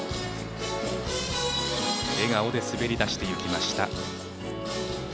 笑顔で滑り出していきました。